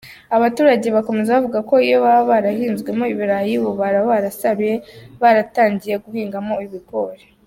Abaturage bakomeza bavuga ko iyo baba barahinzemo ibirayi ubu baba barasaruye, baratangiye guhingamo ibigori.